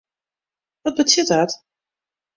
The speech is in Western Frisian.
Wat betsjut dat?